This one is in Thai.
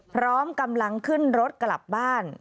พร้อมกำลังขึ้นรถกลับบ้าน